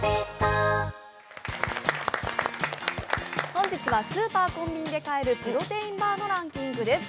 本日はスーパー・コンビニで買えるプロテインバーのランキングです。